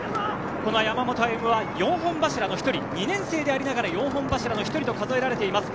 この山本歩夢は２年生でありながら４本柱の１人と数えられています。